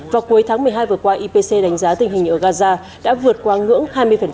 vào cuối tháng một mươi hai vừa qua ipc đánh giá tình hình ở gaza đã vượt qua ngưỡng hai mươi